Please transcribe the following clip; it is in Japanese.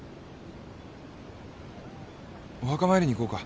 お墓参りに行こうか。